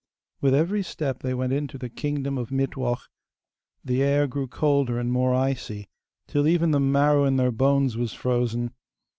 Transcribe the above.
With every step they went into the kingdom of Mittwoch, the air grew colder and more icy, till even the marrow in their bones was frozen.